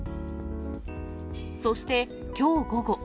そして、きょう午後。